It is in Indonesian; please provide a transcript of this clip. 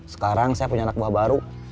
sekarang saya punya anak buah baru